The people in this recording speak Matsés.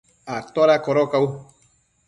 ¿ ada codocau?